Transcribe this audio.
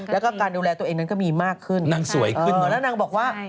แล้วก็การดูแลตัวเองนั้นก็มีมากขึ้นนางสวยขึ้นอ๋อแล้วนางบอกว่า